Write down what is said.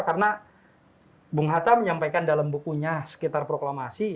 karena bung hatta menyampaikan dalam bukunya sekitar proklamasi